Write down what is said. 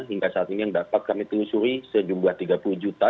hingga saat ini yang dapat kami telusuri sejumlah tiga puluh juta